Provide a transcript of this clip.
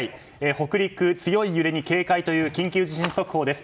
北陸強い揺れに警戒という緊急地震速報です。